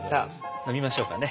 飲みましょうかね。